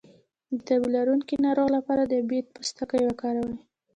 د تبه لرونکي ناروغ لپاره د بید پوستکی وکاروئ